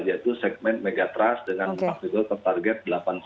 yaitu segmen megastas dengan maksimal target delapan tujuh